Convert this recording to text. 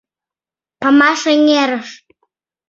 Памаш-Эҥерыш.